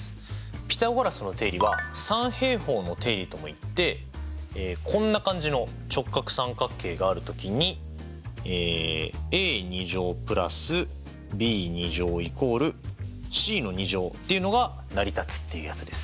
ピタゴラスの定理は三平方の定理ともいってこんな感じの直角三角形がある時にっていうのが成り立つっていうやつです。